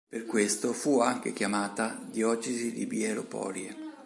Per questo fu anche chiamata Diocesi di Bijelo Polje.